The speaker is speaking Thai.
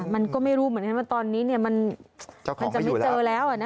มันก็ไม่รู้เหมือนกันว่าตอนนี้มันจะไม่เจอแล้ว